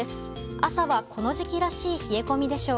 朝はこの時期らしい冷え込みでしょう。